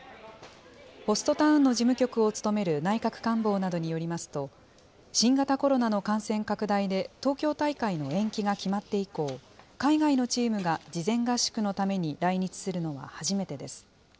ホストタウンの事務局を務める内閣官房などによりますと、新型コロナの感染拡大で東京大会の延期が決まって以降、海外のチームが事前合宿のために来日するのは初めてです。